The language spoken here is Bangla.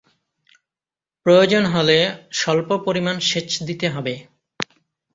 প্রয়োজন হলে স্বল্প পরিমাণ সেচ দিতে হবে।